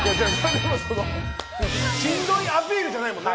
でもしんどいアピールじゃないもんね。